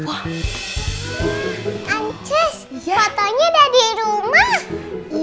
ancus fotonya udah di rumah